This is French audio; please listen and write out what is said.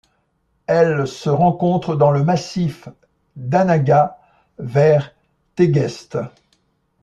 Elle se rencontre dans le massif d'Anaga vers Tegueste.